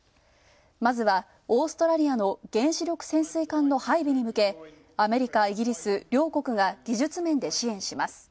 まずは、オーストラリアの原子力潜水艦の配備に向けアメリカ、イギリス両国が技術面で支援します。